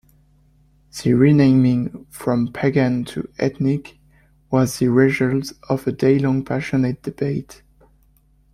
The renaming from "Pagan" to "Ethnic" was the result of a day-long passionate debate.